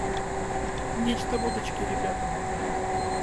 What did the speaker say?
Нечто водочки ребятам?